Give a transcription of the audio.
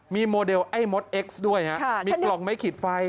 มีโมเดลไอ้มดเอ็กซ์ด้วยฮะมีกล่องไม้ขีดไฟ